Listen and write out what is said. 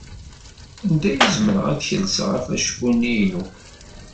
Anda ay zemreɣ ad kelseɣ afecku-inu?